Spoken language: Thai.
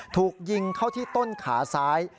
ถูกยิงเข้าที่ต้นขาซ้าย